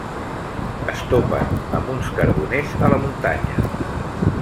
Es topen amb uns carboners a la muntanya.